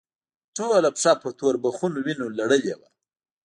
ټوله پښه په توربخونو وينو لړلې وه.